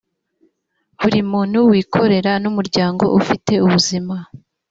buri muntu wikorera n umuryango ufite ubuzima